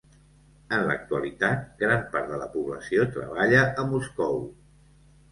En l'actualitat, gran part de la població treballa a Moscou.